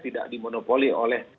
tidak dimonopoli oleh